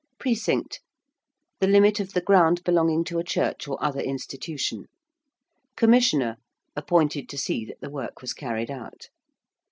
~precinct~: the limit of the ground belonging to a church or other institution. ~commissioner~: appointed to see that the work was carried out.